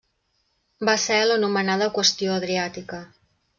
Va ser l'anomenada Qüestió Adriàtica.